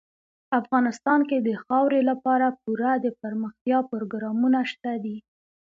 افغانستان کې د خاورې لپاره پوره دپرمختیا پروګرامونه شته دي.